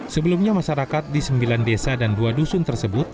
sebelumnya masyarakat di sembilan desa dan dua dusun tersebut